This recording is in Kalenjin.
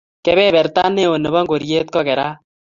Kepeperta ne o nebo ngoriet ko kerat